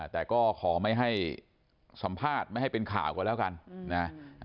แต่ก็ขอไม่ให้สัมภาษณ์ไม่ให้เป็นข่าวก่อนแล้วกันนะ